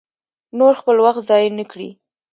نور خپل وخت ضایع نه کړي.